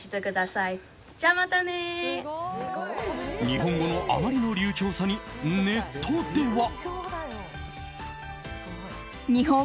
日本語のあまりの流暢さにネットでは。